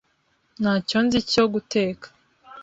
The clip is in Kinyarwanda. Ntacyo nzi cyo guteka.